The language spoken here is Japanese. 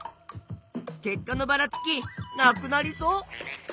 結果のばらつきなくなりそう？